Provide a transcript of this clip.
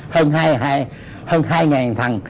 hơn hai ngàn thằng